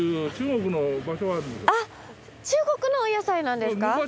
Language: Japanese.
あっ中国のお野菜なんですか？